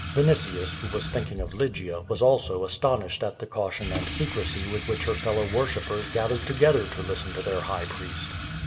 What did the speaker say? Vinitius, who was thinking of Lygia, was also astonished at the caution and secrecy with which her fellow worshippers gathered together to listen to their high priest.